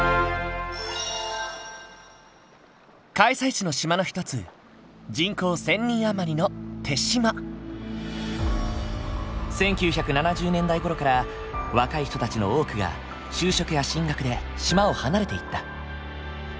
開催地の島の一つ人口１，０００人余りの１９７０年代ごろから若い人たちの多くが就職や進学で島を離れていった。